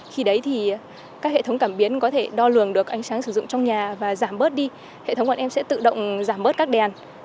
khi đấy thì các hệ thống cảm biến có thể đo lường được ánh sáng sử dụng trong nhà và giảm bớt đi